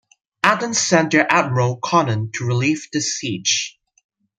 Athens sent their admiral, Conon, to relieve the siege.